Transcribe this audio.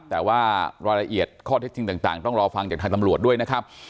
แต่ว่ารายละเอียดข้อเท็จจริงต่างต้องรอฟังจากทางตำรวจด้วยนะครับ